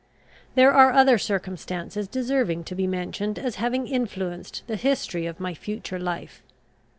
There are other circumstances deserving to be mentioned as having influenced the history of my future life.